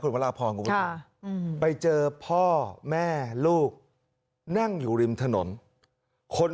พระราพรคุณผู้ชมไปเจอพ่อแม่ลูกนั่งอยู่ริมถนนคน